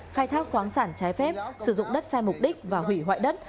khai thác khoáng sản trái phép sử dụng đất sai mục đích và hủy hoại đất